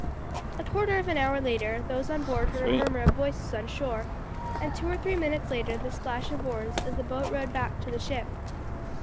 A quarter of an hour later those on board heard a murmur of voices on shore, and two or three minutes later the splash of oars as the boat rowed back to the ship.